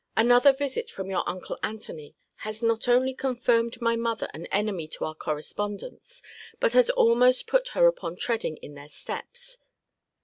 Another visit from your uncle Antony has not only confirmed my mother an enemy to our correspondence, but has almost put her upon treading in their steps.